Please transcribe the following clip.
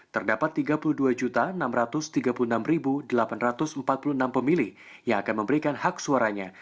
terdapat tiga puluh dua enam ratus tiga puluh enam delapan ratus empat puluh enam pemilih yang akan memberikan hak suaranya